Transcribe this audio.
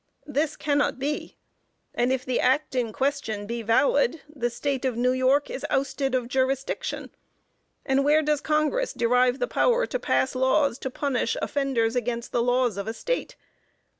This cannot be, and if the act in question be valid, the State of New York is ousted of jurisdiction. And where does Congress derive the power to pass laws to punish offenders against the laws of a State?